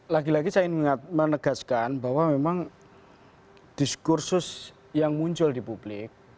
lagi lagi saya ingin menegaskan bahwa memang diskursus yang muncul di publik